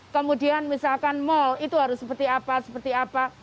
kemudian misalkan mal itu harus seperti apa seperti apa